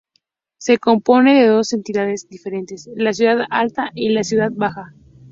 Se compone de dos entidades diferentes: la "Ciudad Alta" y la "Ciudad Baja".